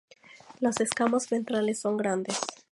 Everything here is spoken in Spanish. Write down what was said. Las escamas ventrales son grandes.